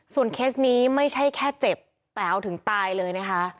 เคสนี้ไม่ใช่แค่เจ็บแต๋วถึงตายเลยนะคะ